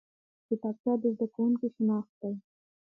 کتابچه د زده کوونکي شناخت دی